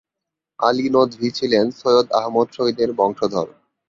আলী নদভী ছিলেন সৈয়দ আহমদ শহীদের বংশধর।